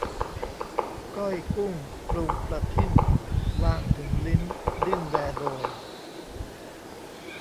ก้อยกุ้งปรุงประทิ่น วางถึงลิ้นดิ้นแดโดย